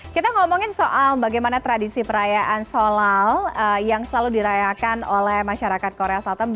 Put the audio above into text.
kita ngomongin soal bagaimana tradisi perayaan sholal yang selalu dirayakan oleh masyarakat korea selatan